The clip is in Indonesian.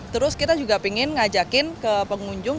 terus kita juga ingin ngajakin ke pengunjung